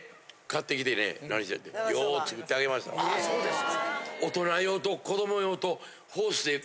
ああそうですか。